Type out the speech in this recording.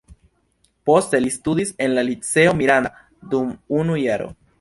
Poste li studis en la "Liceo Miranda" dum unu jaro.